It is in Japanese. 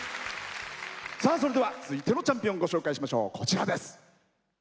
それでは続いてのチャンピオンご紹介しましょう。